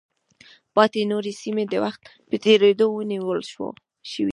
پاتې نورې سیمې د وخت په تېرېدو ونیول شوې.